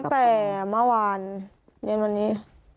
ตั้งแต่เมื่อวานเย็นวันนี้